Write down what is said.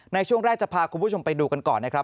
ในช่วงแรกจะพาคุณผู้ชมไปดูกันก่อนนะครับ